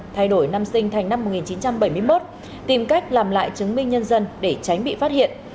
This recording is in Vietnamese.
thay đổi năm sinh thành năm một nghìn chín trăm bảy mươi một tìm cách làm lại chứng minh nhân dân để tránh bị phát hiện